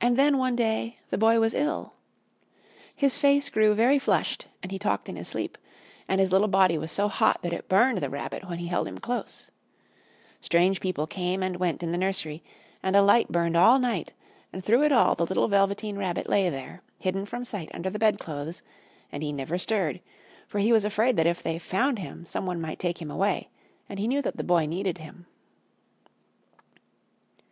And then, one day, the Boy was ill. His face grew very flushed, and he talked in his sleep, and his little body was so hot that it burned the Rabbit when he held him close. Strange people came and went in the nursery, and a light burned all night and through it all the little Velveteen Rabbit lay there, hidden from sight under the bedclothes, and he never stirred, for he was afraid that if they found him some one might take him away, and he knew that the Boy needed him.